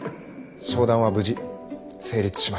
商談は無事成立しました。